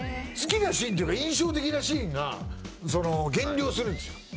好きなシーンっていうか印象的なシーンが減量するんですよ。